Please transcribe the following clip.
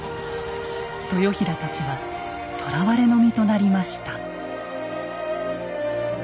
豊平たちは捕らわれの身となりました。